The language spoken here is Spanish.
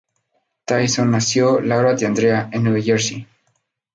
Tyson nació Laura D'Andrea en Nueva Jersey.